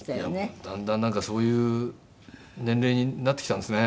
だんだんそういう年齢になってきたんですね。